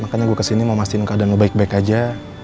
makanya gue kesini mau masihin keadaan lo baik baik aja